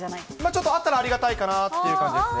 ちょっとあったらありがたいかなという感じです。